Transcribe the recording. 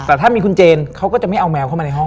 แต่ถ้ามีคุณเจนเขาก็จะไม่เอาแมวเข้ามาในห้อง